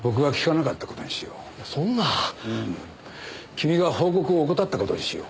君が報告を怠った事にしよう。